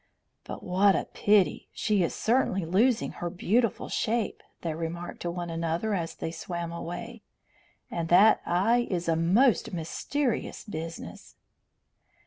"But what a pity! She is certainly losing her beautiful shape," they remarked to one another as they swam away. "And that eye is a most mysterious business."